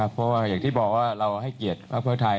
เพราะว่าอย่างที่บอกว่าเราให้เกียรติภักดิ์เพื่อไทย